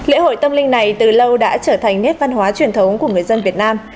lễ hội tâm linh này từ lâu đã trở thành nét văn hóa truyền thống của người dân việt nam